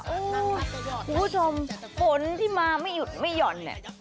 โอ้โหคุณผู้ชมฝนที่มาไม่หยุดไม่หย่อนเนี่ย